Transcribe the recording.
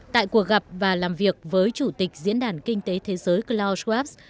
tại cuộc gặp và làm việc với chủ tịch diễn đàn kinh tế thế giới klaus schwab